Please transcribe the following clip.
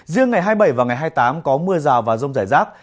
riêng ngày hai mươi bảy và ngày hai mươi tám có mưa rào và rông rải rác